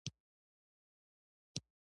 په پړي کې وپېله.